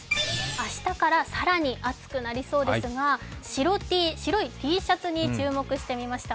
明日から更に暑くなりそうですが白Ｔ、白いＴシャツに注目していました。